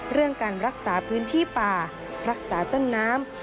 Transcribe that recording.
เรื่องการรักษาพื้นที่ป่ารักษาต้นน้ำ